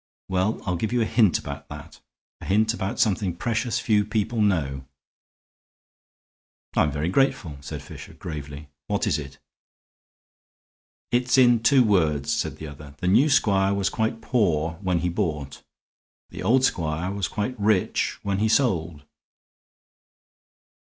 Well, I'll give you a hint about that, a hint about something precious few people know." "I am very grateful," said Fisher, gravely. "What is it?" "It's in two words," said the other. "The new squire was quite poor when he bought. The old squire was quite rich when he sold."